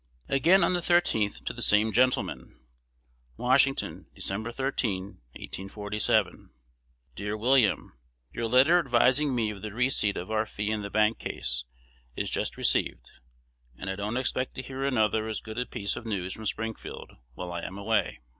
Again on the 13th, to the same gentleman: Washington, Dec. 13, 1847. Dear William, Your letter advising me of the receipt of our fee in the bank case is just received, and I don't expect to hear another as good a piece of news from Springfield while I am away.